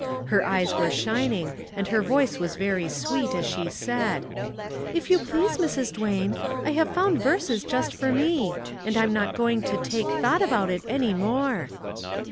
Her eyes were shining and her voice was very sweet as she said: " If you please, Mrs. Duane, I have found verses just for me ; and I'm not going to ' take thought ' about it any more."